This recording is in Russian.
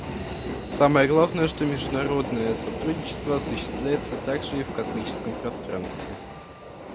Самое главное, что международное сотрудничество осуществляется также и в космическом пространстве.